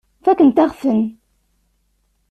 Fakkent-aɣ-ten.